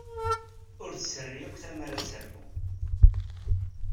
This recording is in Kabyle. Ur tt-terri akk tmara ad terfu.